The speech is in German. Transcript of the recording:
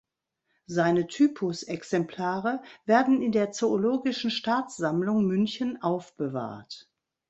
Seine Typusexemplare werden in der Zoologischen Staatssammlung München aufbewahrt.